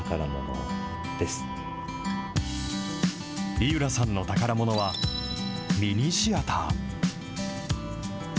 井浦さんの宝ものは、ミニシアター。